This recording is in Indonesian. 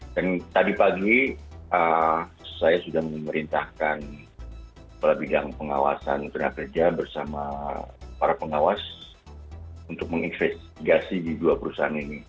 dan tadi pagi saya sudah memerintahkan kepala bidang pengawasan tenaga kerja bersama para pengawas untuk menginvestigasi di dua perusahaan ini